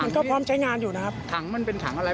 ก็พร้อมใช้งานอยู่นะครับถังมันเป็นถังอะไร